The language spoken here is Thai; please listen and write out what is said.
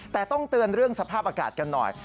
แต่ต้องเตือนเรื่องสภาพอากาศกันหน่อย